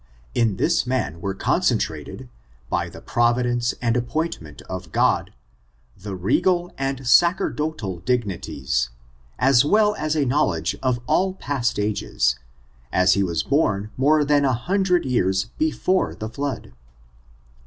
In this man were concentrated, by the providence and appoint I ^ I ■•.:, FORTUNES, OF THS NEGRO RACE. 219 ment of God, the regal and sacerdotal dignities, as well as a knowledge of all past ages, as he was born more than a hundred years before the flood.